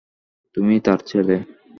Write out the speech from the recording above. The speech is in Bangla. তুমি তার ছেলে?